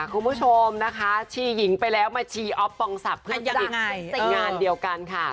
อะคุณผู้ชมนะคะชี้หญิงไปแล้วมาชี้อ๊อปบองศับส์เพื่อกอีกนานเดียวกันค่ะ